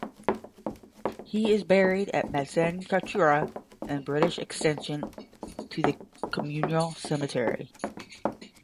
He is buried at Metz-en-Couture in the British extension to the communal cemetery.